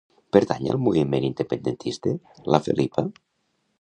Pertany al moviment independentista la Felipa?